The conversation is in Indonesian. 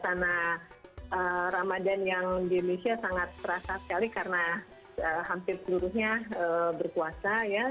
suasana ramadan yang di indonesia sangat terasa sekali karena hampir seluruhnya berpuasa ya